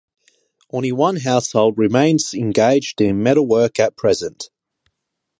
Only one household remains engaged in metalwork at present.